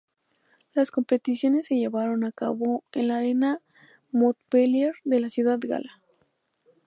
Las competiciones se llevaron a cabo en la Arena Montpellier de la ciudad gala.